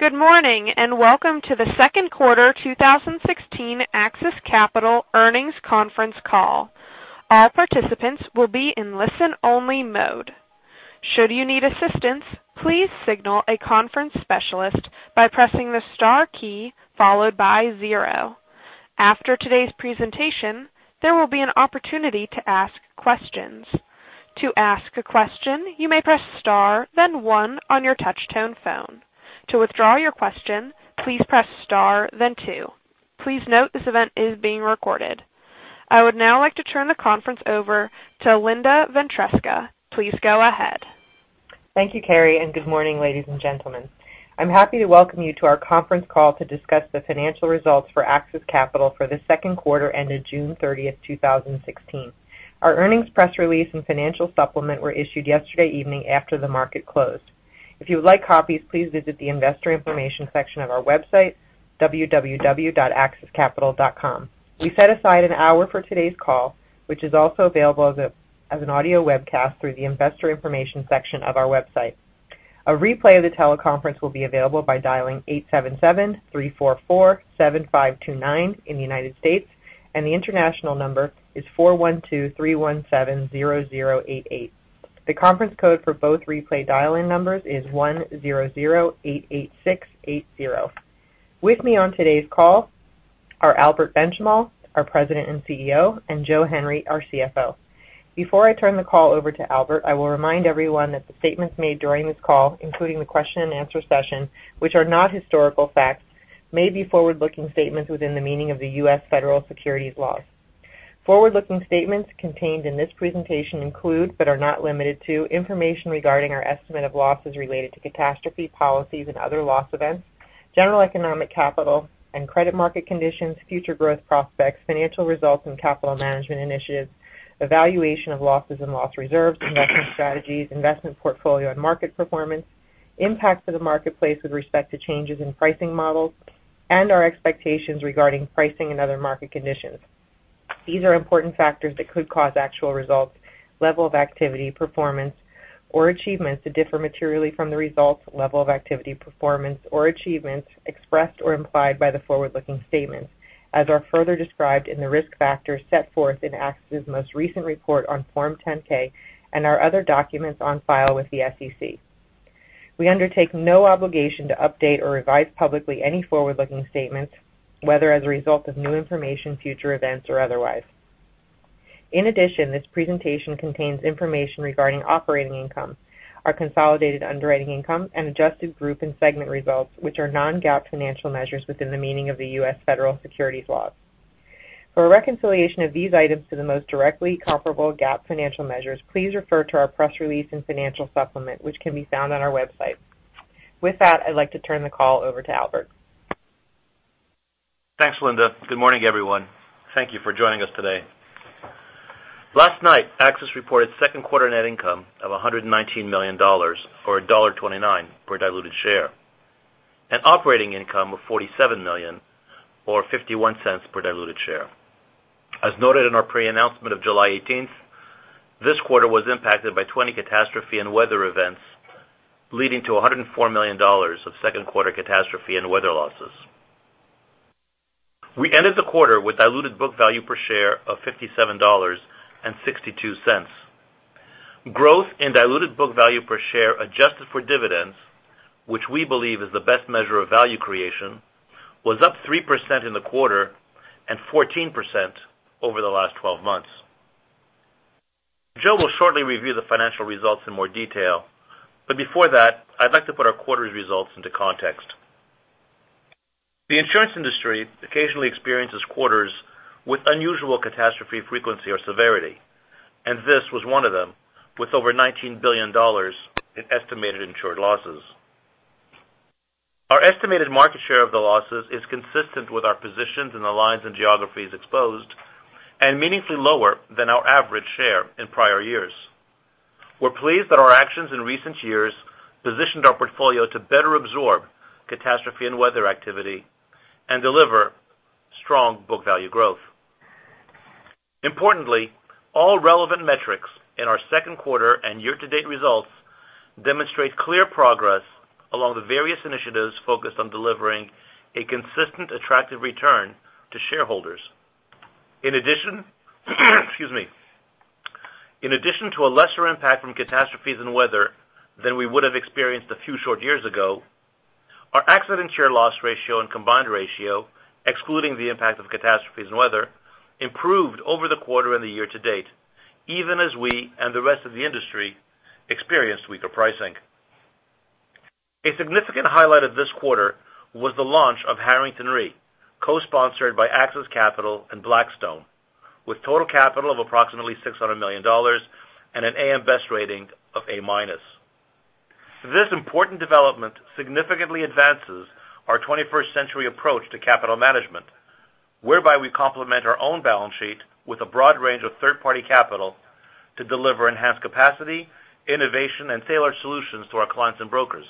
Good morning, and welcome to the second quarter 2016 AXIS Capital earnings conference call. All participants will be in listen-only mode. Should you need assistance, please signal a conference specialist by pressing the star key followed by zero. After today's presentation, there will be an opportunity to ask questions. To ask a question, you may press star then one on your touch tone phone. To withdraw your question, please press star then two. Please note this event is being recorded. I would now like to turn the conference over to Linda Ventresca. Please go ahead. Thank you, Carrie, and good morning, ladies and gentlemen. I am happy to welcome you to our conference call to discuss the financial results for AXIS Capital for the second quarter ended June 30th, 2016. Our earnings press release and financial supplement were issued yesterday evening after the market closed. If you would like copies, please visit the investor information section of our website, www.axiscapital.com. We set aside an hour for today's call, which is also available as an audio webcast through the investor information section of our website. A replay of the teleconference will be available by dialing 877-344-7529 in the United States, and the international number is 412-317-0088. The conference code for both replay dial-in numbers is 10088680. With me on today's call are Albert Benchimol, our President and CEO, and Joseph Henry, our CFO. Before I turn the call over to Albert, I will remind everyone that the statements made during this call, including the question and answer session, which are not historical facts, may be forward-looking statements within the meaning of the U.S. federal securities laws. Forward-looking statements contained in this presentation include, but are not limited to, information regarding our estimate of losses related to catastrophe policies and other loss events, general economic capital and credit market conditions, future growth prospects, financial results and capital management initiatives, evaluation of losses and loss reserves, investment strategies, investment portfolio and market performance, impacts to the marketplace with respect to changes in pricing models, and our expectations regarding pricing and other market conditions. These are important factors that could cause actual results, level of activity, performance, or achievements to differ materially from the results, level of activity, performance, or achievements expressed or implied by the forward-looking statements, as are further described in the risk factors set forth in AXIS's most recent report on Form 10-K and our other documents on file with the SEC. We undertake no obligation to update or revise publicly any forward-looking statements, whether as a result of new information, future events, or otherwise. In addition, this presentation contains information regarding operating income, our consolidated underwriting income, and adjusted group and segment results, which are non-GAAP financial measures within the meaning of the U.S. federal securities laws. For a reconciliation of these items to the most directly comparable GAAP financial measures, please refer to our press release and financial supplement, which can be found on our website. With that, I'd like to turn the call over to Albert. Thanks, Linda. Good morning, everyone. Thank you for joining us today. Last night, AXIS reported second quarter net income of $119 million, or $1.29 per diluted share, and operating income of $47 million, or $0.51 per diluted share. As noted in our pre-announcement of July 18th, this quarter was impacted by 20 catastrophe and weather events, leading to $104 million of second-quarter catastrophe and weather losses. We ended the quarter with diluted book value per share of $57.62. Growth in diluted book value per share adjusted for dividends, which we believe is the best measure of value creation, was up 3% in the quarter and 14% over the last 12 months. Joe will shortly review the financial results in more detail, but before that, I'd like to put our quarter's results into context. The insurance industry occasionally experiences quarters with unusual catastrophe frequency or severity, this was one of them with over $19 billion in estimated insured losses. Our estimated market share of the losses is consistent with our positions in the lines and geographies exposed and meaningfully lower than our average share in prior years. We're pleased that our actions in recent years positioned our portfolio to better absorb catastrophe and weather activity and deliver strong book value growth. Importantly, all relevant metrics in our second quarter and year-to-date results demonstrate clear progress along the various initiatives focused on delivering a consistent, attractive return to shareholders. In addition to a lesser impact from catastrophes and weather than we would have experienced a few short years ago, our accident year loss ratio and combined ratio, excluding the impact of catastrophes and weather, improved over the quarter and the year-to-date, even as we and the rest of the industry experienced weaker pricing. A significant highlight of this quarter was the launch of Harrington Re, co-sponsored by AXIS Capital and Blackstone, with total capital of approximately $600 million and an AM Best rating of A-minus. This important development significantly advances our 21st-century approach to capital management, whereby we complement our own balance sheet with a broad range of third-party capital to deliver enhanced capacity, innovation, and tailored solutions to our clients and brokers.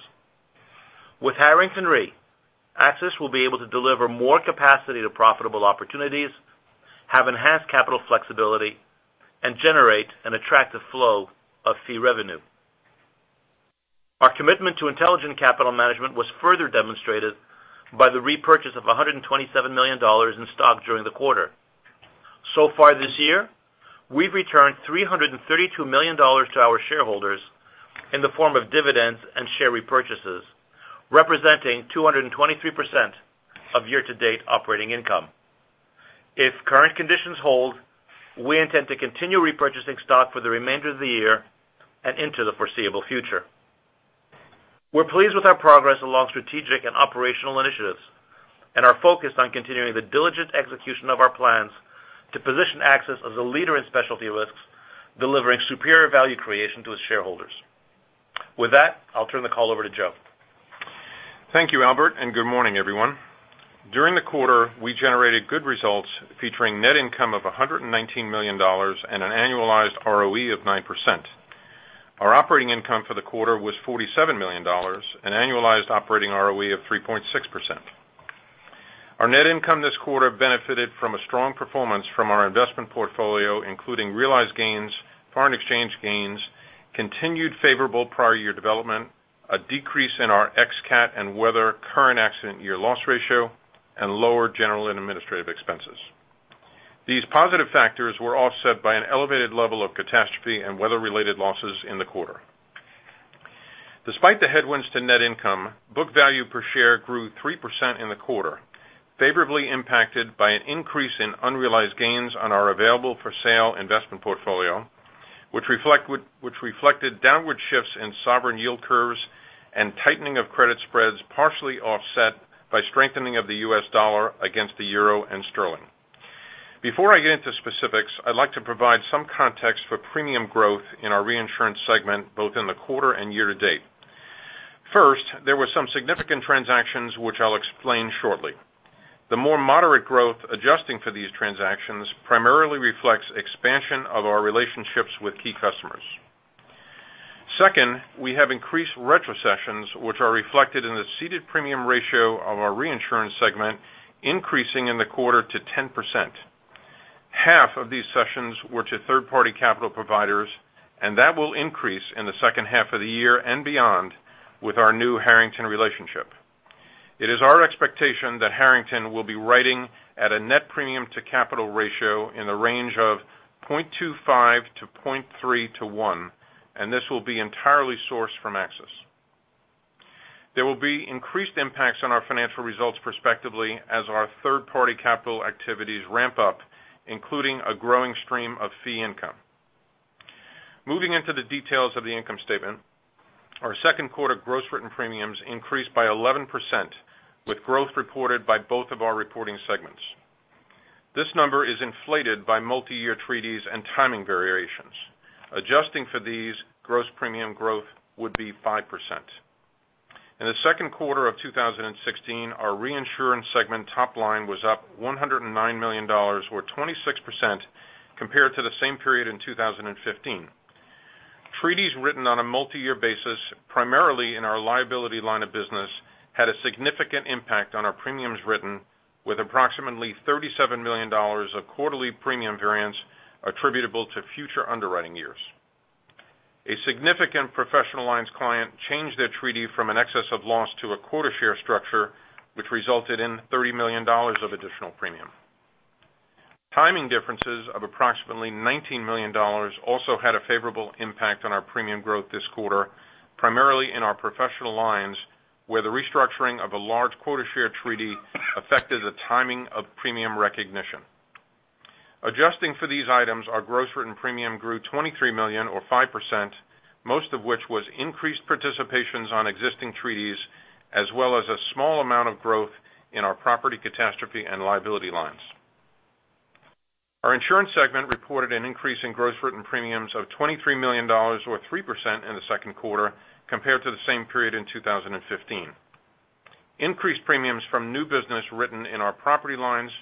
With Harrington Re, AXIS will be able to deliver more capacity to profitable opportunities, have enhanced capital flexibility, and generate an attractive flow of fee revenue. Our commitment to intelligent capital management was further demonstrated by the repurchase of $127 million in stock during the quarter. Far this year, we've returned $332 million to our shareholders in the form of dividends and share repurchases, representing 223% of year-to-date operating income. If current conditions hold, we intend to continue repurchasing stock for the remainder of the year and into the foreseeable future. We're pleased with our progress along strategic and operational initiatives and are focused on continuing the diligent execution of our plans to position AXIS as a leader in specialty risks, delivering superior value creation to its shareholders. With that, I'll turn the call over to Joe. Thank you, Albert, good morning, everyone. During the quarter, we generated good results featuring net income of $119 million and an annualized ROE of 9%. Our operating income for the quarter was $47 million, an annualized operating ROE of 3.6%. Our net income this quarter benefited from a strong performance from our investment portfolio, including realized gains, foreign exchange gains, continued favorable prior year development, a decrease in our ex-cat and weather current accident year loss ratio, and lower general and administrative expenses. These positive factors were offset by an elevated level of catastrophe and weather-related losses in the quarter. Despite the headwinds to net income, book value per share grew 3% in the quarter, favorably impacted by an increase in unrealized gains on our available-for-sale investment portfolio, which reflected downward shifts in sovereign yield curves and tightening of credit spreads, partially offset by strengthening of the US dollar against the EUR and GBP. Before I get into specifics, I'd like to provide some context for premium growth in our reinsurance segment, both in the quarter and year-to-date. First, there were some significant transactions, which I'll explain shortly. The more moderate growth adjusting for these transactions primarily reflects expansion of our relationships with key customers. Second, we have increased retrocessions, which are reflected in the ceded premium ratio of our reinsurance segment increasing in the quarter to 10%. Half of these cessions were to third-party capital providers, that will increase in the second half of the year and beyond with our new Harrington relationship. It is our expectation that Harrington will be writing at a net premium to capital ratio in the range of 0.25 to 0.3 to one, and this will be entirely sourced from AXIS. There will be increased impacts on our financial results prospectively as our third-party capital activities ramp up, including a growing stream of fee income. Moving into the details of the income statement, our second quarter gross written premiums increased by 11%, with growth reported by both of our reporting segments. This number is inflated by multi-year treaties and timing variations. Adjusting for these, gross premium growth would be 5%. In the second quarter of 2016, our reinsurance segment top line was up $109 million, or 26%, compared to the same period in 2015. Treaties written on a multi-year basis, primarily in our liability line of business, had a significant impact on our premiums written with approximately $37 million of quarterly premium variance attributable to future underwriting years. A significant professional lines client changed their treaty from an excess of loss to a quota share structure, which resulted in $30 million of additional premium. Timing differences of approximately $19 million also had a favorable impact on our premium growth this quarter, primarily in our professional lines, where the restructuring of a large quota share treaty affected the timing of premium recognition. Adjusting for these items, our gross written premium grew $23 million, or 5%, most of which was increased participations on existing treaties, as well as a small amount of growth in our property catastrophe and liability lines. Our insurance segment reported an increase in gross written premiums of $23 million, or 3% in the second quarter compared to the same period in 2015. Increased premiums from new business written in our property lines were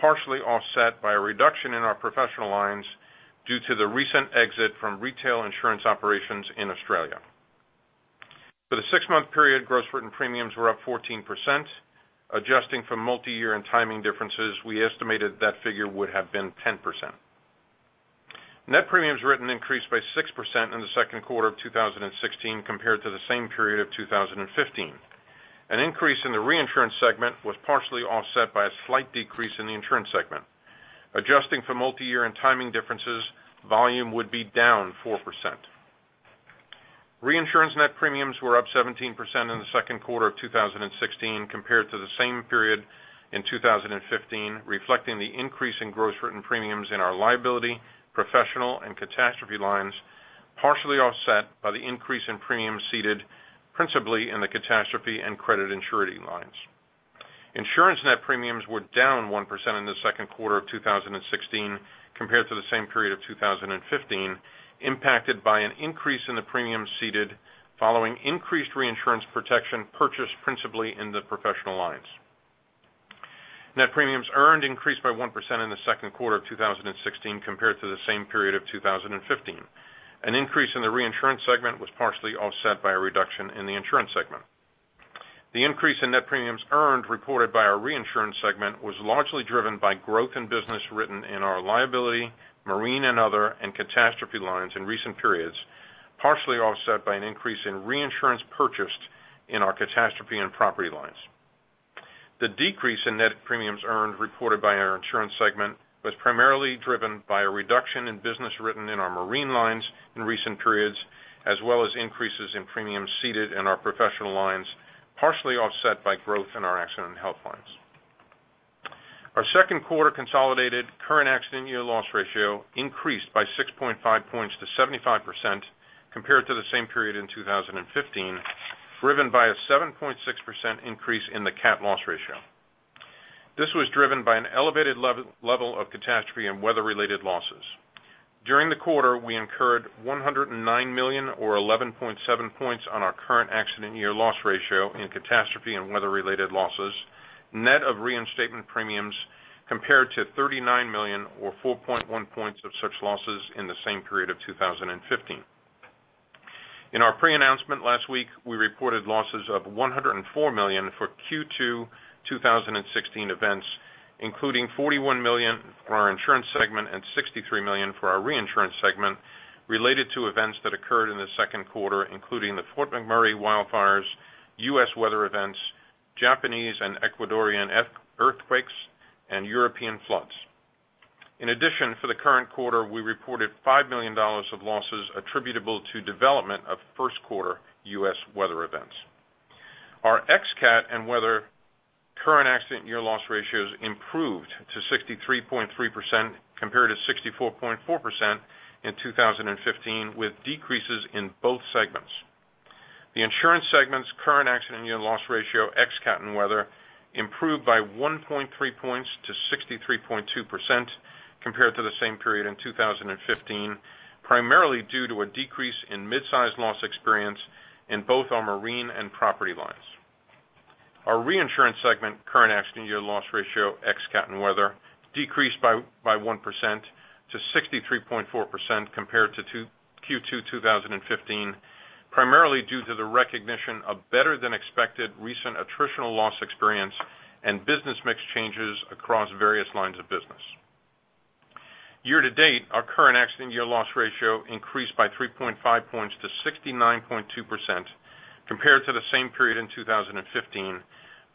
partially offset by a reduction in our professional lines due to the recent exit from retail insurance operations in Australia. For the six-month period, gross written premiums were up 14%. Adjusting for multi-year and timing differences, we estimated that figure would have been 10%. Net premiums written increased by 6% in the second quarter of 2016 compared to the same period of 2015. An increase in the reinsurance segment was partially offset by a slight decrease in the insurance segment. Adjusting for multi-year and timing differences, volume would be down 4%. Reinsurance net premiums were up 17% in the second quarter of 2016 compared to the same period in 2015, reflecting the increase in gross written premiums in our liability, professional, and catastrophe lines, partially offset by the increase in premiums ceded principally in the catastrophe and credit and surety lines. Insurance net premiums were down 1% in the second quarter of 2016 compared to the same period of 2015, impacted by an increase in the premiums ceded following increased reinsurance protection purchased principally in the professional lines. Net premiums earned increased by 1% in the second quarter of 2016 compared to the same period of 2015. An increase in the reinsurance segment was partially offset by a reduction in the insurance segment. The increase in net premiums earned reported by our reinsurance segment was largely driven by growth in business written in our liability, marine and other, and catastrophe lines in recent periods, partially offset by an increase in reinsurance purchased in our catastrophe and property lines. The decrease in net premiums earned reported by our insurance segment was primarily driven by a reduction in business written in our marine lines in recent periods, as well as increases in premiums ceded in our professional lines, partially offset by growth in our accident and health lines. Our second quarter consolidated current accident year loss ratio increased by 6.5 points to 75% compared to the same period in 2015, driven by a 7.6% increase in the cat loss ratio. This was driven by an elevated level of catastrophe and weather-related losses. During the quarter, we incurred $109 million, or 11.7 points on our current accident year loss ratio in catastrophe and weather-related losses, net of reinstatement premiums, compared to $39 million, or 4.1 points of such losses in the same period of 2015. In our pre-announcement last week, we reported losses of $104 million for Q2 2016 events, including $41 million for our insurance segment and $63 million for our reinsurance segment related to events that occurred in the second quarter, including the Fort McMurray wildfires, U.S. weather events, Japanese and Ecuadorian earthquakes, and European floods. In addition, for the current quarter, we reported $5 million of losses attributable to development of first quarter U.S. weather events. Our ex-cat and weather current accident year loss ratios improved to 63.3% compared to 64.4% in 2015, with decreases in both segments. The insurance segment's current accident year loss ratio, ex-cat and weather, improved by 1.3 points to 63.2% compared to the same period in 2015, primarily due to a decrease in midsize loss experience in both our marine and property lines. Our reinsurance segment current accident year loss ratio, ex-cat and weather, decreased by 1% to 63.4% compared to Q2 2015, primarily due to the recognition of better-than-expected recent attritional loss experience and business mix changes across various lines of business. Year to date, our current accident year loss ratio increased by 3.5 points to 69.2% compared to the same period in 2015,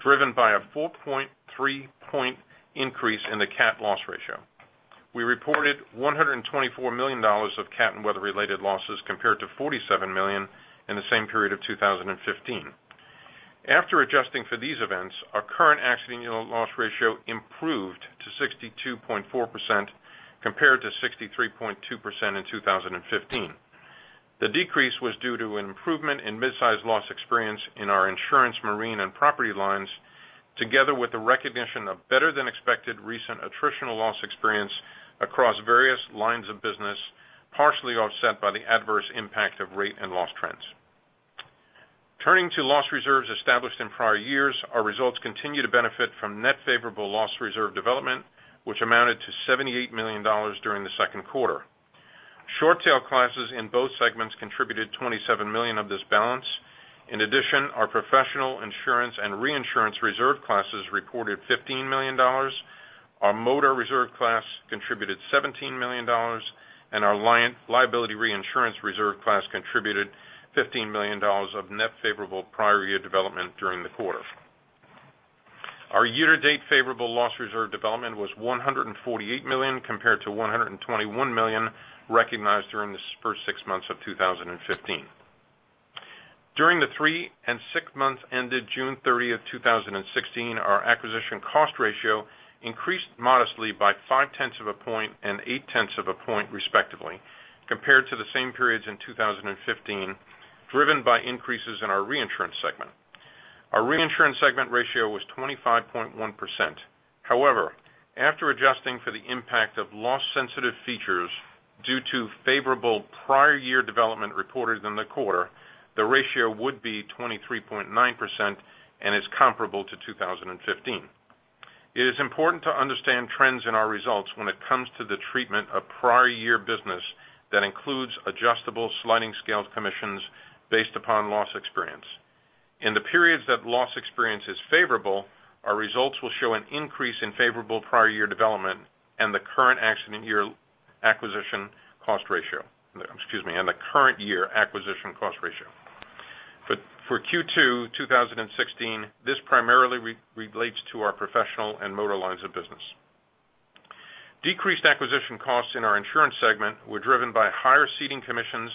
driven by a 4.3 point increase in the cat loss ratio. We reported $124 million of cat and weather-related losses, compared to $47 million in the same period of 2015. After adjusting for these events, our current accident year loss ratio improved to 62.4% compared to 63.2% in 2015. The decrease was due to an improvement in midsize loss experience in our insurance, marine, and property lines, together with the recognition of better-than-expected recent attritional loss experience across various lines of business, partially offset by the adverse impact of rate and loss trends. Turning to loss reserves established in prior years, our results continue to benefit from net favorable loss reserve development, which amounted to $78 million during the second quarter. Short tail classes in both segments contributed $27 million of this balance. In addition, our professional insurance and reinsurance reserve classes reported $15 million. Our motor reserve class contributed $17 million, and our liability reinsurance reserve class contributed $15 million of net favorable prior year development during the quarter. Our year-to-date favorable loss reserve development was $148 million compared to $121 million recognized during the first six months of 2015. During the three and six months ended June 30, 2016, our acquisition cost ratio increased modestly by five tenths of a point and eight tenths of a point respectively, compared to the same periods in 2015, driven by increases in our reinsurance segment. Our reinsurance segment ratio was 25.1%. However, after adjusting for the impact of loss-sensitive features due to favorable prior year development reported in the quarter, the ratio would be 23.9% and is comparable to 2015. It is important to understand trends in our results when it comes to the treatment of prior year business that includes adjustable sliding scale commissions based upon loss experience. In the periods that loss experience is favorable, our results will show an increase in favorable prior year development and the current year acquisition cost ratio. For Q2 2016, this primarily relates to our professional and motor lines of business. Decreased acquisition costs in our insurance segment were driven by higher ceding commissions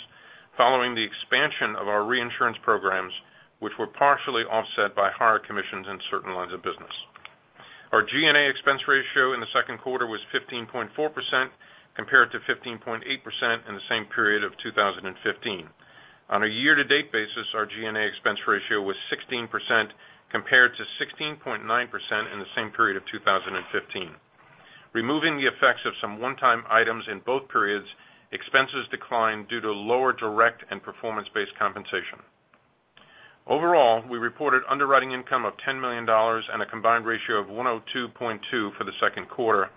following the expansion of our reinsurance programs, which were partially offset by higher commissions in certain lines of business. Our G&A expense ratio in the second quarter was 15.4% compared to 15.8% in the same period of 2015. On a year-to-date basis, our G&A expense ratio was 16% compared to 16.9% in the same period of 2015. Removing the effects of some one-time items in both periods, expenses declined due to lower direct and performance-based compensation. Overall, we reported underwriting income of $10 million and a combined ratio of 102.2 for the second quarter.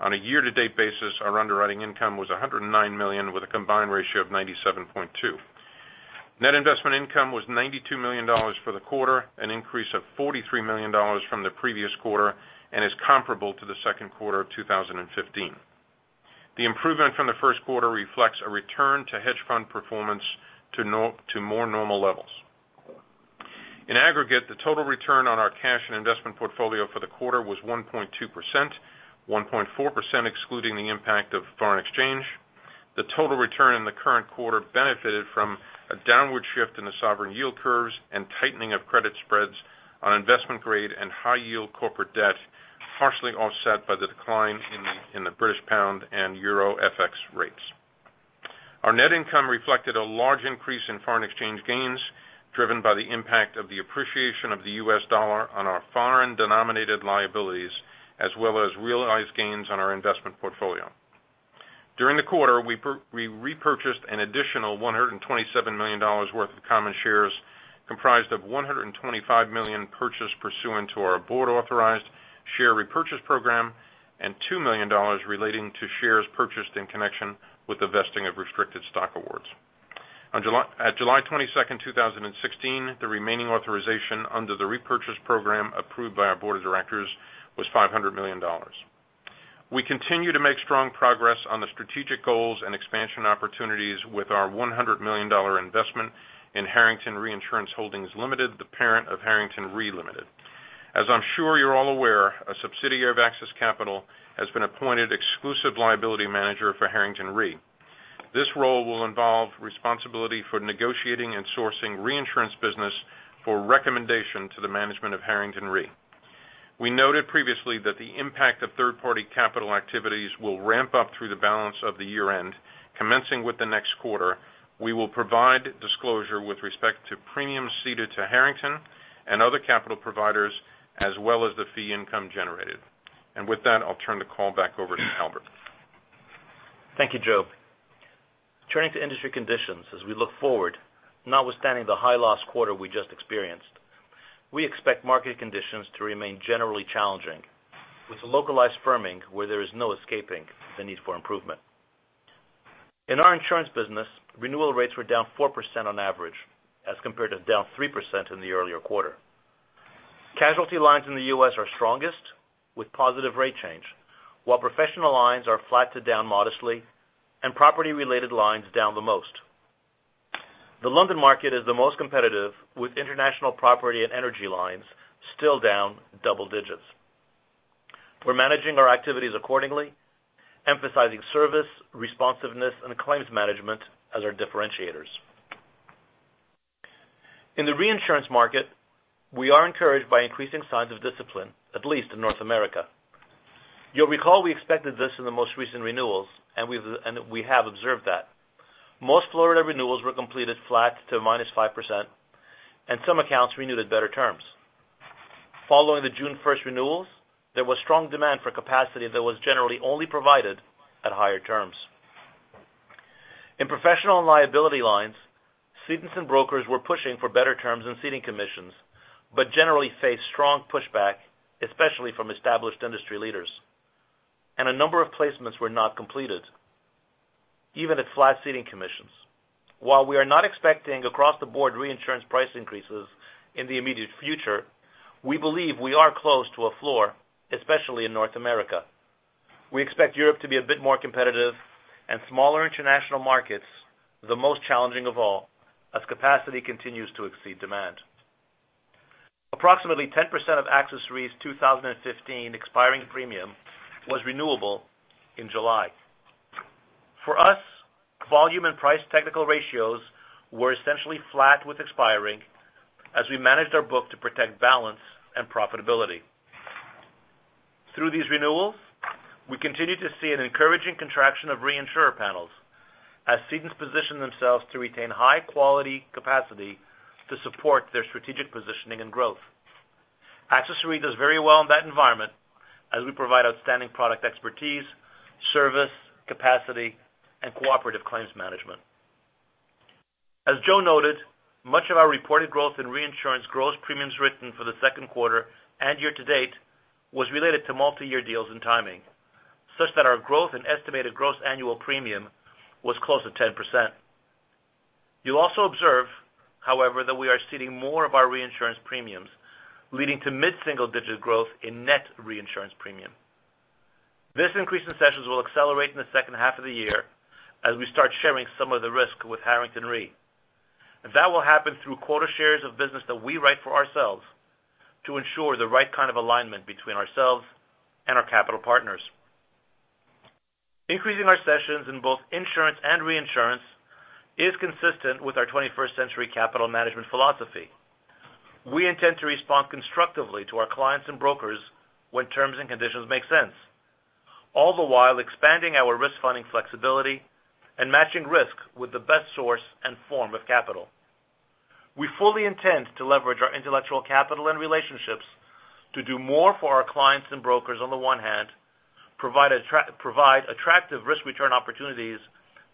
On a year-to-date basis, our underwriting income was $109 million, with a combined ratio of 97.2. Net investment income was $92 million for the quarter, an increase of $43 million from the previous quarter, and is comparable to the second quarter of 2015. The improvement from the first quarter reflects a return to hedge fund performance to more normal levels. In aggregate, the total return on our cash and investment portfolio for the quarter was 1.2%, 1.4% excluding the impact of foreign exchange. The total return in the current quarter benefited from a downward shift in the sovereign yield curves and tightening of credit spreads on investment-grade and high-yield corporate debt, partially offset by the decline in the British pound and euro FX rates. Our net income reflected a large increase in foreign exchange gains, driven by the impact of the appreciation of the US dollar on our foreign-denominated liabilities, as well as realized gains on our investment portfolio. During the quarter, we repurchased an additional $127 million worth of common shares, comprised of $125 million purchased pursuant to our board-authorized share repurchase program and $2 million relating to shares purchased in connection with the vesting of restricted stock awards. At July 22nd, 2016, the remaining authorization under the repurchase program approved by our board of directors was $500 million. We continue to make strong progress on the strategic goals and expansion opportunities with our $100 million investment in Harrington Reinsurance Holdings Limited, the parent of Harrington Re Limited. As I'm sure you're all aware, a subsidiary of AXIS Capital has been appointed exclusive liability manager for Harrington Re. This role will involve responsibility for negotiating and sourcing reinsurance business for recommendation to the management of Harrington Re. We noted previously that the impact of third-party capital activities will ramp up through the balance of the year-end. Commencing with the next quarter, we will provide disclosure with respect to premiums ceded to Harrington and other capital providers, as well as the fee income generated. With that, I'll turn the call back over to Albert. Thank you, Joe. Turning to industry conditions as we look forward, notwithstanding the high loss quarter we just experienced, we expect market conditions to remain generally challenging, with localized firming where there is no escaping the need for improvement. In our insurance business, renewal rates were down 4% on average, as compared to down 3% in the earlier quarter. Casualty lines in the U.S. are strongest with positive rate change, while professional lines are flat to down modestly and property-related lines down the most. The London market is the most competitive, with international property and energy lines still down double digits. We're managing our activities accordingly, emphasizing service, responsiveness, and claims management as our differentiators. In the reinsurance market, we are encouraged by increasing signs of discipline, at least in North America. You'll recall we expected this in the most recent renewals, and we have observed that. Most Florida renewals were completed flat to -5%, and some accounts renewed at better terms. Following the June 1st renewals, there was strong demand for capacity that was generally only provided at higher terms. In professional and liability lines, cedents and brokers were pushing for better terms and ceding commissions, generally faced strong pushback, especially from established industry leaders, a number of placements were not completed even at flat ceding commissions. While we are not expecting across-the-board reinsurance price increases in the immediate future, we believe we are close to a floor, especially in North America. We expect Europe to be a bit more competitive and smaller international markets the most challenging of all as capacity continues to exceed demand. Approximately 10% of AXIS Re's 2015 expiring premium was renewable in July. For us, volume and price technical ratios were essentially flat with expiring as we managed our book to protect balance and profitability. Through these renewals, we continue to see an encouraging contraction of reinsurer panels as cedents position themselves to retain high-quality capacity to support their strategic positioning and growth. AXIS Re does very well in that environment as we provide outstanding product expertise, service, capacity, and cooperative claims management. As Joe noted, much of our reported growth in reinsurance gross premiums written for the second quarter and year to date was related to multiyear deals and timing, such that our growth in estimated gross annual premium was close to 10%. You'll also observe, however, that we are ceding more of our reinsurance premiums, leading to mid-single-digit growth in net reinsurance premium. This increase in cessions will accelerate in the second half of the year as we start sharing some of the risk with Harrington Re. That will happen through quota shares of business that we write for ourselves to ensure the right kind of alignment between ourselves and our capital partners. Increasing our cessions in both insurance and reinsurance is consistent with our 21st-century capital management philosophy. We intend to respond constructively to our clients and brokers when terms and conditions make sense. All the while, expanding our risk funding flexibility and matching risk with the best source and form of capital. We fully intend to leverage our intellectual capital and relationships to do more for our clients and brokers on the one hand Provide attractive risk return opportunities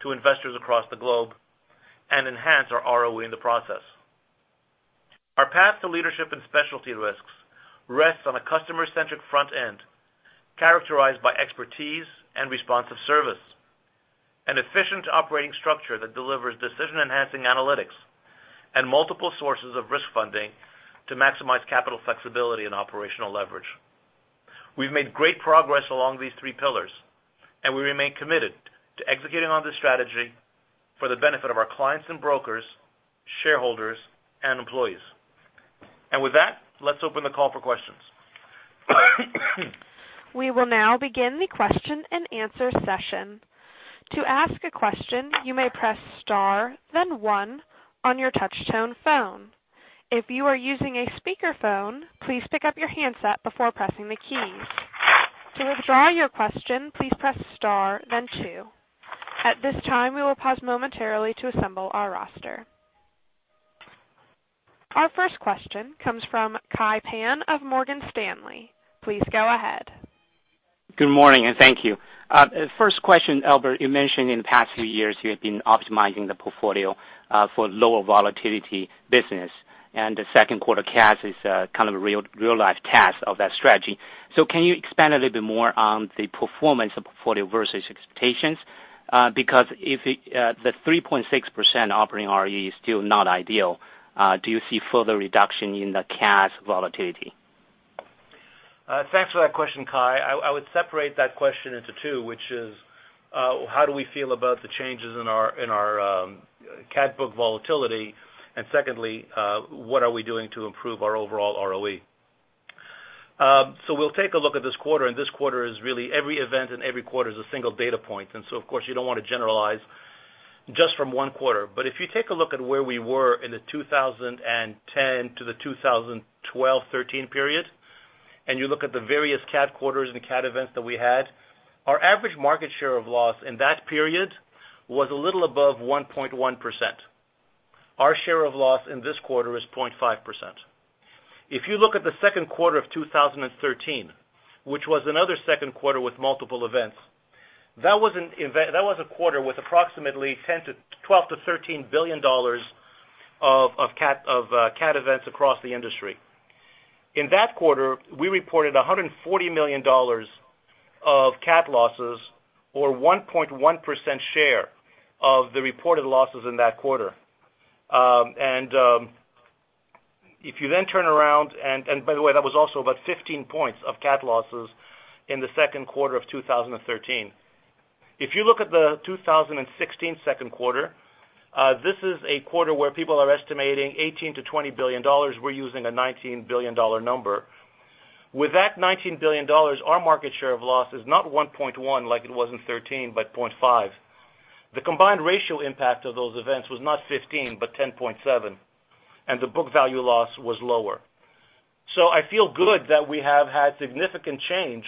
to investors across the globe and enhance our ROE in the process. Our path to leadership in specialty risks rests on a customer-centric front end characterized by expertise and responsive service, an efficient operating structure that delivers decision-enhancing analytics and multiple sources of risk funding to maximize capital flexibility and operational leverage. We've made great progress along these three pillars, and we remain committed to executing on this strategy for the benefit of our clients and brokers, shareholders, and employees. With that, let's open the call for questions. We will now begin the question and answer session. To ask a question, you may press star, then one on your touch-tone phone. If you are using a speakerphone, please pick up your handset before pressing the keys. To withdraw your question, please press star, then two. At this time, we will pause momentarily to assemble our roster. Our first question comes from Kai Pan of Morgan Stanley. Please go ahead. Good morning, and thank you. First question, Albert, you mentioned in the past few years you have been optimizing the portfolio for lower volatility business, and the second quarter cat is kind of a real-life test of that strategy. Can you expand a little bit more on the performance of portfolio versus expectations? If the 3.6% operating ROE is still not ideal, do you see further reduction in the cat's volatility? Thanks for that question, Kai. I would separate that question into two, which is how do we feel about the changes in our cat book volatility, and secondly, what are we doing to improve our overall ROE? We'll take a look at this quarter, and this quarter is really every event in every quarter is a single data point. Of course, you don't want to generalize just from one quarter. If you take a look at where we were in the 2010 to the 2012, '13 period, and you look at the various cat quarters and cat events that we had, our average market share of loss in that period was a little above 1.1%. Our share of loss in this quarter is 0.5%. If you look at the second quarter of 2013, which was another second quarter with multiple events, that was a quarter with approximately $12 billion-$13 billion of cat events across the industry. In that quarter, we reported $140 million of cat losses or 1.1% share of the reported losses in that quarter. If you then turn around and by the way, that was also about 15 points of cat losses in the second quarter of 2013. If you look at the 2016 second quarter, this is a quarter where people are estimating $18 billion-$20 billion. We're using a $19 billion number. With that $19 billion, our market share of loss is not 1.1 like it was in 2013, but 0.5. The combined ratio impact of those events was not 15, but 10.7, and the book value loss was lower. I feel good that we have had significant change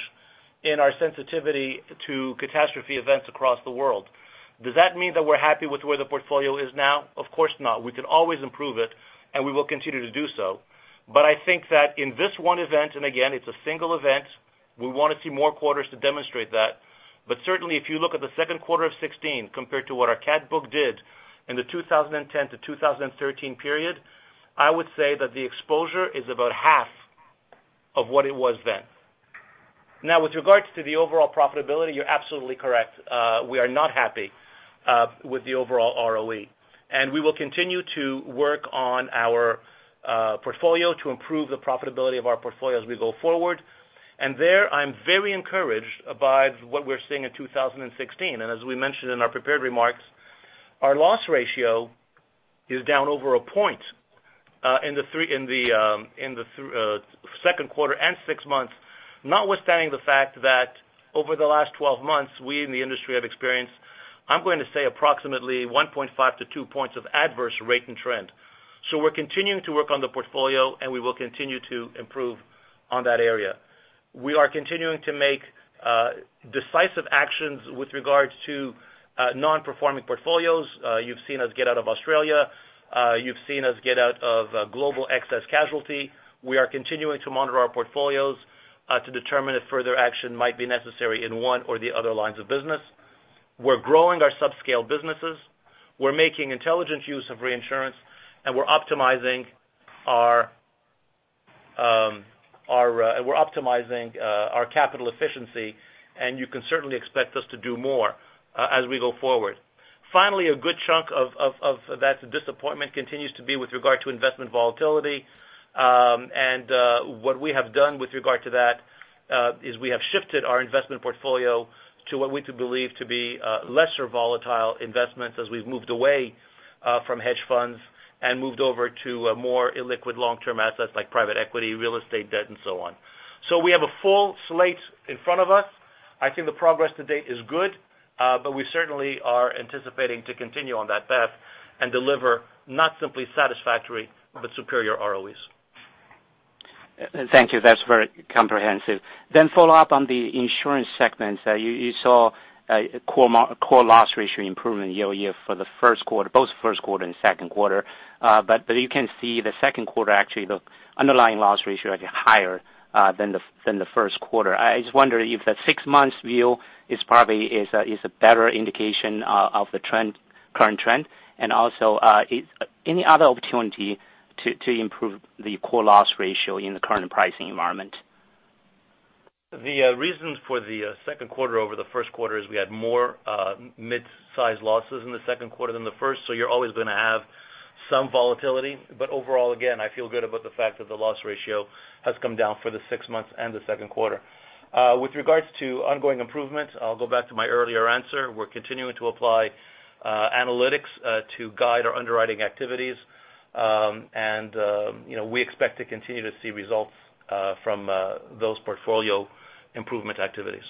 in our sensitivity to catastrophe events across the world. Does that mean that we're happy with where the portfolio is now? Of course not. We can always improve it, and we will continue to do so. But I think that in this one event, and again, it's a single event, we want to see more quarters to demonstrate that. But certainly, if you look at the second quarter of 2016 compared to what our cat book did in the 2010-2013 period, I would say that the exposure is about half of what it was then. Now, with regards to the overall profitability, you're absolutely correct. We are not happy with the overall ROE, and we will continue to work on our portfolio to improve the profitability of our portfolio as we go forward. There, I'm very encouraged by what we're seeing in 2016. As we mentioned in our prepared remarks, our loss ratio is down over a point in the second quarter and six months, notwithstanding the fact that over the last 12 months, we in the industry have experienced, I'm going to say approximately 1.5-2 points of adverse rate and trend. We're continuing to work on the portfolio, and we will continue to improve on that area. We are continuing to make decisive actions with regards to non-performing portfolios. You've seen us get out of Australia. You've seen us get out of global excess casualty. We are continuing to monitor our portfolios to determine if further action might be necessary in one or the other lines of business. We're growing our subscale businesses. We're making intelligent use of reinsurance, and we're optimizing our capital efficiency, and you can certainly expect us to do more as we go forward. Finally, a good chunk of that disappointment continues to be with regard to investment volatility. What we have done with regard to that is we have shifted our investment portfolio to what we believe to be lesser volatile investments as we've moved away from hedge funds and moved over to more illiquid long-term assets like private equity, real estate debt, and so on. We have a full slate in front of us. I think the progress to date is good, but we certainly are anticipating to continue on that path and deliver not simply satisfactory, but superior ROEs. Thank you. That's very comprehensive. Follow up on the insurance segment. You saw a core loss ratio improvement year-over-year for both first quarter and second quarter. You can see the second quarter, actually, the underlying loss ratio is higher than the first quarter. I just wonder if the 6 months view is probably a better indication of the current trend. Also, any other opportunity to improve the core loss ratio in the current pricing environment? The reasons for the second quarter over the first quarter is we had more mid-size losses in the second quarter than the first. You're always going to have some volatility. Overall, again, I feel good about the fact that the loss ratio has come down for the 6 months and the second quarter. With regards to ongoing improvement, I'll go back to my earlier answer. We're continuing to apply analytics to guide our underwriting activities. We expect to continue to see results from those portfolio improvement activities.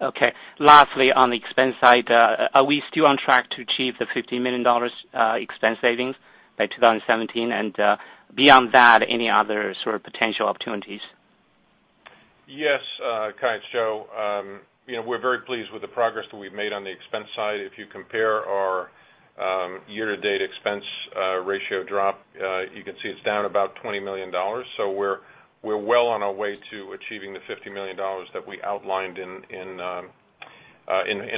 Okay. Lastly, on the expense side, are we still on track to achieve the $50 million expense savings by 2017? Beyond that, any other sort of potential opportunities? Yes. Kai, it's Joe. We're very pleased with the progress that we've made on the expense side. If you compare our year-to-date expense ratio drop, you can see it's down about $20 million. We're well on our way to achieving the $50 million that we outlined in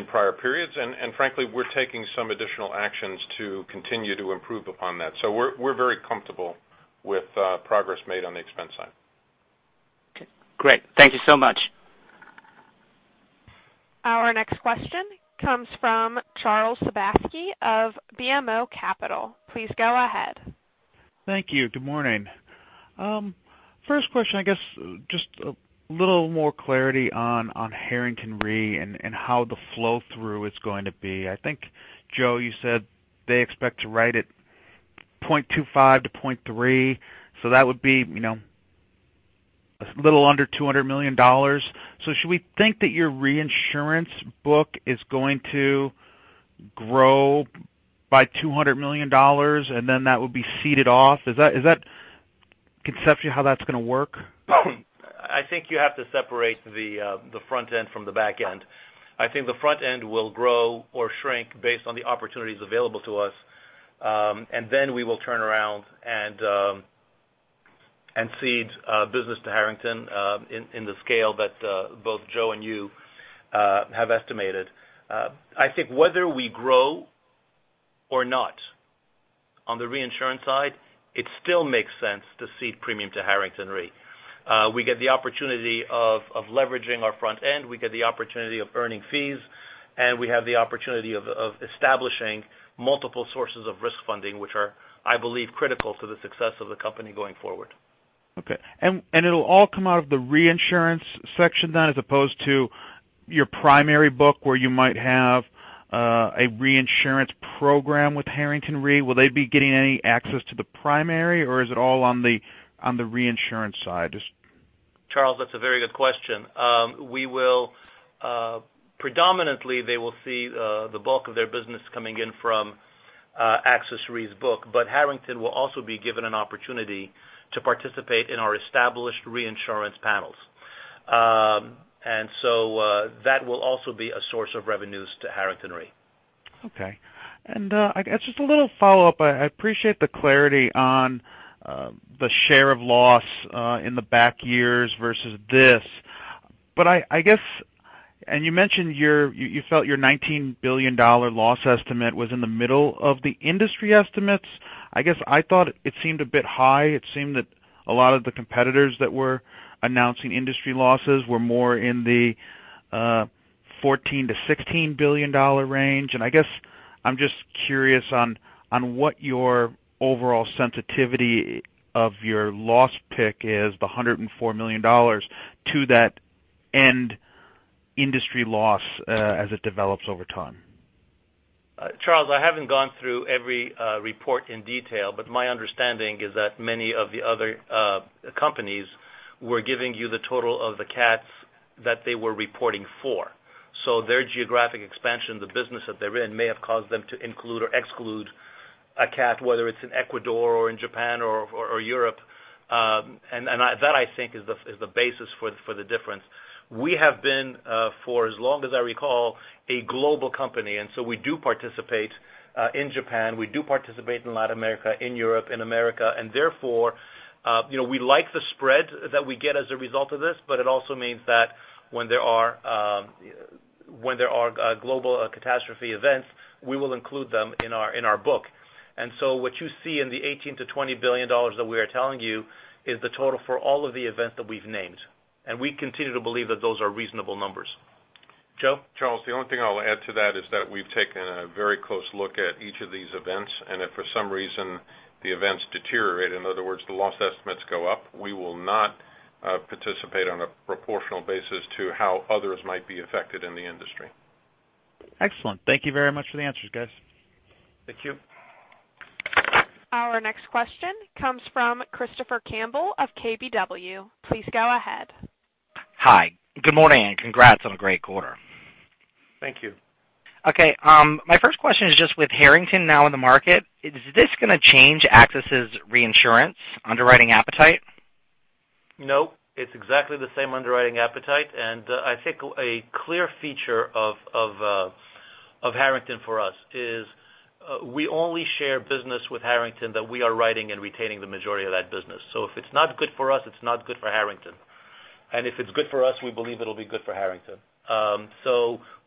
prior periods. Frankly, we're taking some additional actions to continue to improve upon that. We're very comfortable with progress made on the expense side. Okay, great. Thank you so much. Our next question comes from Charles Sebaski of BMO Capital. Please go ahead. Thank you. Good morning. First question, just a little more clarity on Harrington Re and how the flow through is going to be. I think, Joe, you said they expect to write it 0.25-0.3, so that would be a little under $200 million. Should we think that your reinsurance book is going to grow by $200 million and then that would be ceded off? Is that conceptually how that's going to work? I think you have to separate the front end from the back end. I think the front end will grow or shrink based on the opportunities available to us. We will turn around and cede business to Harrington in the scale that both Joe and you have estimated. I think whether we grow or not on the reinsurance side, it still makes sense to cede premium to Harrington Re. We get the opportunity of leveraging our front end, we get the opportunity of earning fees, and we have the opportunity of establishing multiple sources of risk funding, which are, I believe, critical to the success of the company going forward. Okay. It'll all come out of the reinsurance section then, as opposed to your primary book, where you might have a reinsurance program with Harrington Re? Will they be getting any access to the primary or is it all on the reinsurance side? Charles, that's a very good question. Predominantly, they will see the bulk of their business coming in from AXIS Re's book, but Harrington will also be given an opportunity to participate in our established reinsurance panels. That will also be a source of revenues to Harrington Re. Okay. Just a little follow-up. I appreciate the clarity on the share of loss in the back years versus this. You mentioned you felt your $19 billion loss estimate was in the middle of the industry estimates. I guess I thought it seemed a bit high. It seemed that a lot of the competitors that were announcing industry losses were more in the $14 billion-$16 billion range. I guess I'm just curious on what your overall sensitivity of your loss pick is, the $104 million, to that end industry loss as it develops over time. Charles, I haven't gone through every report in detail, my understanding is that many of the other companies were giving you the total of the cats that they were reporting for. Their geographic expansion, the business that they're in, may have caused them to include or exclude a cat, whether it's in Ecuador or in Japan or Europe. That, I think, is the basis for the difference. We have been for as long as I recall, a global company, we do participate in Japan, we do participate in Latin America, in Europe, in America, we like the spread that we get as a result of this, it also means that when there are global catastrophe events, we will include them in our book. What you see in the $18 billion-$20 billion that we are telling you is the total for all of the events that we've named. We continue to believe that those are reasonable numbers. Joe? Charles, the only thing I'll add to that is that we've taken a very close look at each of these events, and if for some reason the events deteriorate, in other words, the loss estimates go up, we will not participate on a proportional basis to how others might be affected in the industry. Excellent. Thank you very much for the answers, guys. Thank you. Our next question comes from Christopher Campbell of KBW. Please go ahead. Hi. Good morning, and congrats on a great quarter. Thank you. Okay. My first question is just with Harrington now in the market, is this going to change AXIS's reinsurance underwriting appetite? No, it's exactly the same underwriting appetite. I think a clear feature of Harrington for us is we only share business with Harrington that we are writing and retaining the majority of that business. If it's not good for us, it's not good for Harrington. If it's good for us, we believe it'll be good for Harrington.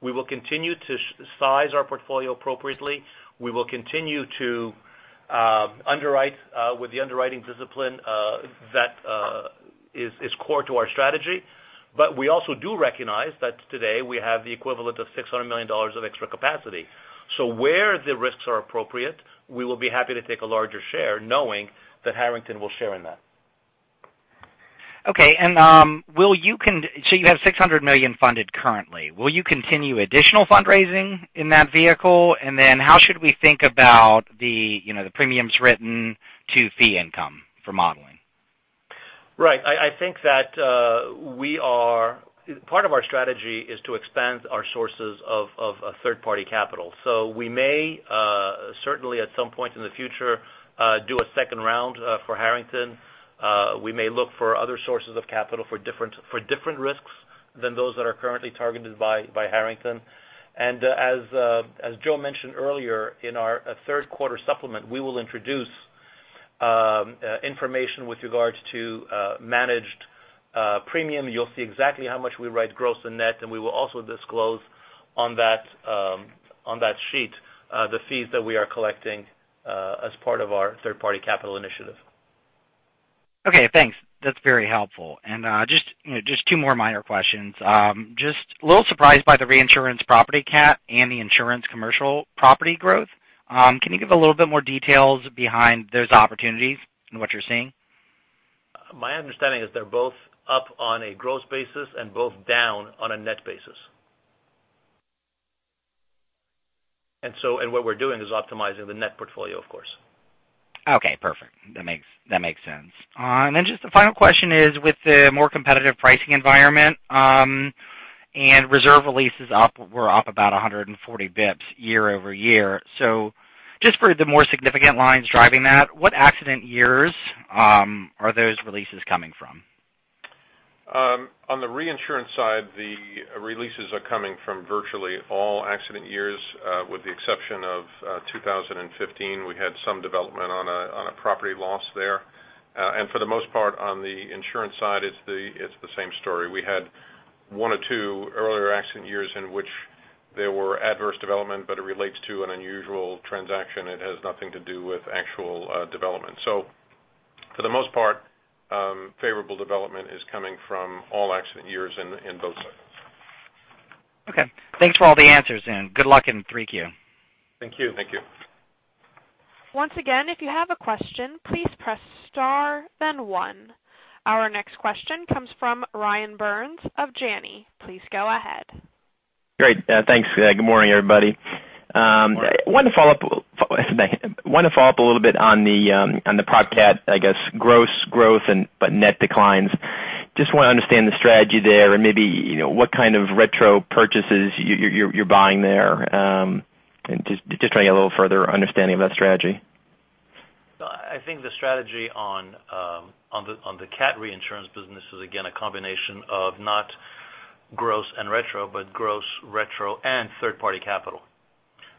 We will continue to size our portfolio appropriately. We will continue to underwrite with the underwriting discipline that is core to our strategy. We also do recognize that today we have the equivalent of $600 million of extra capacity. Where the risks are appropriate, we will be happy to take a larger share knowing that Harrington will share in that. Okay. You have $600 million funded currently. Will you continue additional fundraising in that vehicle? How should we think about the premiums written to fee income for modeling? Right. I think that part of our strategy is to expand our sources of third-party capital. We may, certainly at some point in the future, do a second round for Harrington. We may look for other sources of capital for different risks than those that are currently targeted by Harrington. As Joe mentioned earlier, in our third quarter supplement, we will introduce information with regards to managed premium. You'll see exactly how much we write gross and net, and we will also disclose on that sheet the fees that we are collecting as part of our third-party capital initiative. Okay, thanks. That's very helpful. Just two more minor questions. Just a little surprised by the reinsurance property cat and the insurance commercial property growth. Can you give a little bit more details behind those opportunities and what you're seeing? My understanding is they're both up on a gross basis and both down on a net basis. What we're doing is optimizing the net portfolio, of course. Okay, perfect. That makes sense. Just the final question is with the more competitive pricing environment and reserve releases were up about 140 basis points year-over-year. Just for the more significant lines driving that, what accident years are those releases coming from? On the reinsurance side, the releases are coming from virtually all accident years with the exception of 2015. We had some development on a property loss there. For the most part, on the insurance side, it's the same story. We had one or two earlier accident years in which there were adverse development, but it relates to an unusual transaction. It has nothing to do with actual development. For the most part, favorable development is coming from all accident years in both cycles. Okay. Thanks for all the answers and good luck in 3Q. Thank you. Thank you. Once again, if you have a question, please press star then one. Our next question comes from Ryan Tunis of Janney. Please go ahead. Great. Thanks. Good morning, everybody. Morning. Wanted to follow up a little bit on the prop cat, I guess, gross growth but net declines. Just want to understand the strategy there and maybe what kind of retro purchases you're buying there. Just trying to get a little further understanding of that strategy. I think the strategy on the cat reinsurance business is, again, a combination of not gross and retro, but gross, retro, and third-party capital.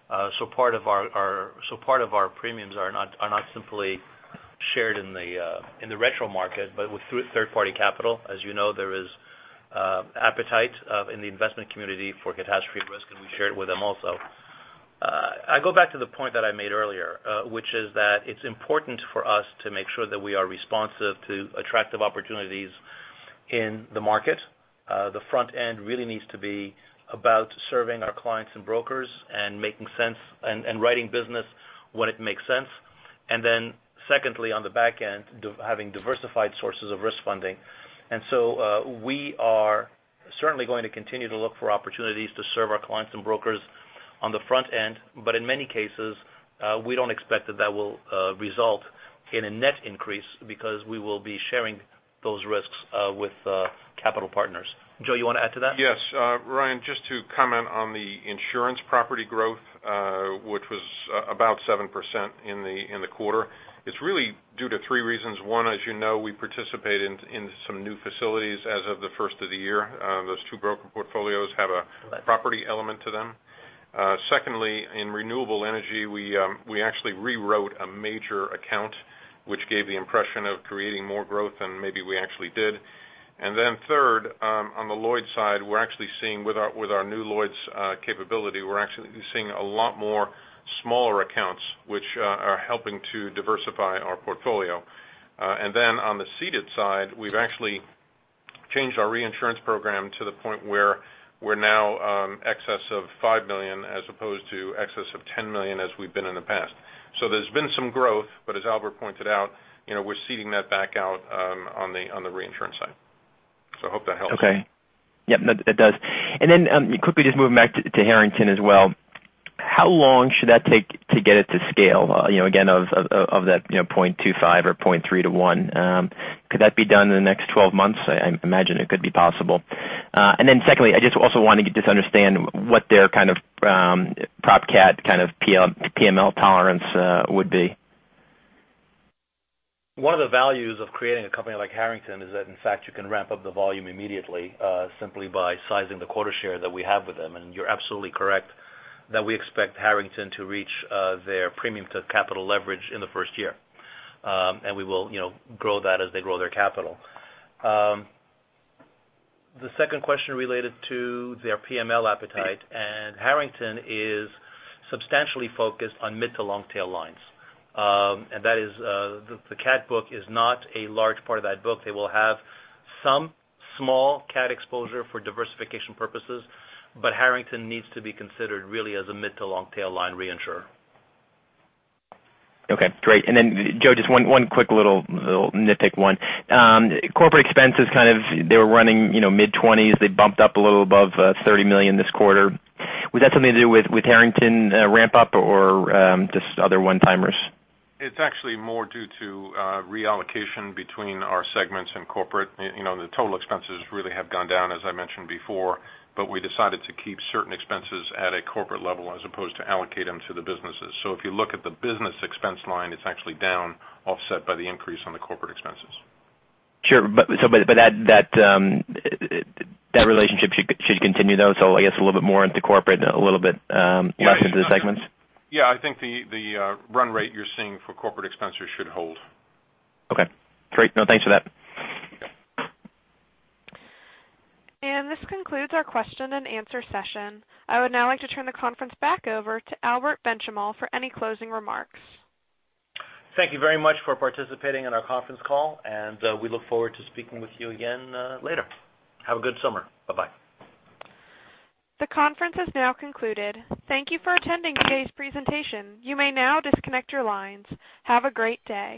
Part of our premiums are not simply shared in the retro market, but through third-party capital. As you know, there is appetite in the investment community for catastrophe risk, and we share it with them also. I go back to the point that I made earlier, which is that it's important for us to make sure that we are responsive to attractive opportunities in the market. The front end really needs to be about serving our clients and brokers and making sense and writing business when it makes sense. Secondly, on the back end, having diversified sources of risk funding. We are certainly going to continue to look for opportunities to serve our clients and brokers on the front end, but in many cases, we don't expect that that will result in a net increase because we will be sharing those risks with capital partners. Joe, you want to add to that? Yes. Ryan, just to comment on the insurance property growth, which was about 7% in the quarter. It's really due to three reasons. One, as you know, we participated in some new facilities as of the first of the year. Those two broker portfolios have a property element to them. Secondly, in renewable energy, we actually rewrote a major account, which gave the impression of creating more growth than maybe we actually did. Third, on the Lloyd's side, with our new Lloyd's capability, we're actually seeing a lot more smaller accounts, which are helping to diversify our portfolio. On the ceded side, we've actually changed our reinsurance program to the point where we're now excess of $5 million as opposed to excess of $10 million as we've been in the past. There's been some growth, but as Albert pointed out, we're ceding that back out on the reinsurance side. I hope that helps. Okay. Yep, that does. Quickly just moving back to Harrington as well. How long should that take to get it to scale? Again, of that 0.25 or 0.3 to one. Could that be done in the next 12 months? I imagine it could be possible. Secondly, I just also want to just understand what their kind of prop cat kind of PML tolerance would be. One of the values of creating a company like Harrington is that in fact, you can ramp up the volume immediately, simply by sizing the quota share that we have with them. You're absolutely correct that we expect Harrington to reach their premium to capital leverage in the first year. We will grow that as they grow their capital. The second question related to their PML appetite, Harrington is substantially focused on mid to long tail lines. The cat book is not a large part of that book. They will have some small cat exposure for diversification purposes, but Harrington needs to be considered really as a mid to long tail line reinsurer. Okay, great. Joe, just one quick little nitpick one. Corporate expenses kind of, they were running mid-20s. They bumped up a little above $30 million this quarter. Was that something to do with Harrington ramp up or just other one-timers? It's actually more due to reallocation between our segments and corporate. The total expenses really have gone down, as I mentioned before, but we decided to keep certain expenses at a corporate level as opposed to allocate them to the businesses. If you look at the business expense line, it's actually down offset by the increase on the corporate expenses. Sure. That relationship should continue though, so I guess a little bit more into corporate, a little bit less into the segments? Yeah, I think the run rate you're seeing for corporate expenses should hold. Okay, great. No, thanks for that. Yeah. This concludes our question and answer session. I would now like to turn the conference back over to Albert Benchimol for any closing remarks. Thank you very much for participating in our conference call, and we look forward to speaking with you again later. Have a good summer. Bye-bye. The conference has now concluded. Thank you for attending today's presentation. You may now disconnect your lines. Have a great day.